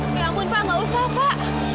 oke ampun pak nggak usah pak